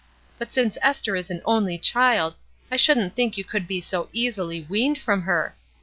But since Esther is an only child, I shouldn't think you could be so easily weaned from her.